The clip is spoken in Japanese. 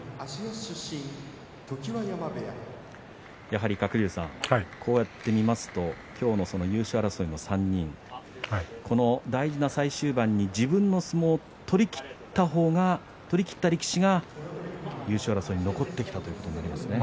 やはり鶴竜さんこうやって見てみますと今日の優勝争いの３人、大事な最終盤に自分の相撲を取りきった力士が優勝争いに残ってきたということになりますね。